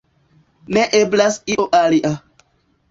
Ne eblas io alia.